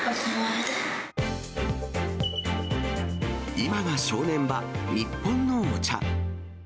今が正念場、日本のお茶。